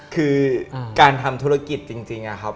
คือการทำธุรกิจจริงนะครับ